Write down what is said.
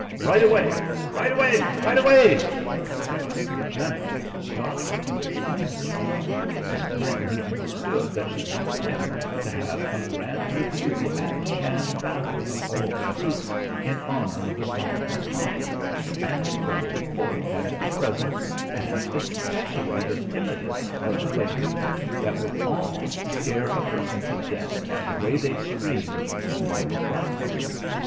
Right away, right away, right away!' [Illustration: "THE IMAM PUT HIS HEAD TO THE FLOOR."] "The General got her to explain herself, and then he understood that she wanted him to have a grand review and sham battle of all the troops, in honor of the Khan and Khant; and the whole court had to be present, and especially the timidest of the ladies, that would almost scare a person to death by the way they screamed when they were frightened.